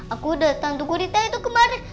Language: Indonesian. aku udah tahan tuh gurita itu kemarin